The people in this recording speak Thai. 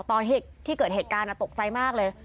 ตอนที่เกิดเหตุการณ์ตกใจมากเลย